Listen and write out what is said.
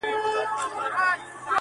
خلک يې يادونه کوي ډېر,